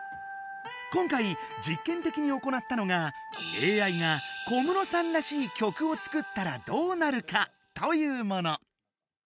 今回実験的に行ったのが「ＡＩが小室さんらしい曲を作ったらどうなるか？」というもの。